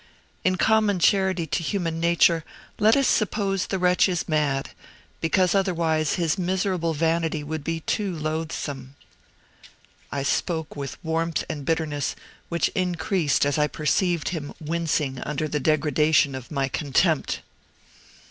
In common charity to human nature, let us suppose the wretch is mad; because otherwise his miserable vanity would be too loathsome." I spoke with warmth and bitterness, which increased as I perceived him wincing under the degradation of my contempt.